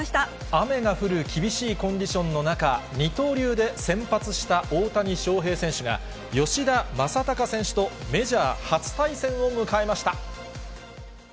雨が降る厳しいコンディションの中、二刀流で先発した大谷翔平選手が、吉田正尚選手とメジャー初対戦を迎えました。